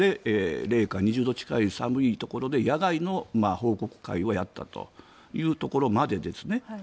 零下２０度近い寒いところで野外の報告会をやったというところまでですね。